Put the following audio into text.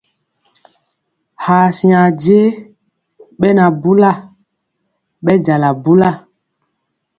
Ha siŋa je ɓɛ na bula, ɓɛ jala bula.